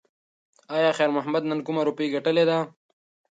ایا خیر محمد نن کومه روپۍ ګټلې ده؟